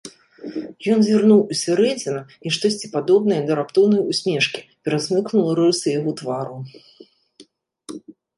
Ён зірнуў усярэдзіну, і штосьці падобнае да раптоўнай усмешкі перасмыкнула рысы яго твару.